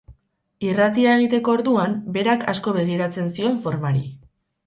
Irratia egiteko orduan, berak asko begiratzen zion formari.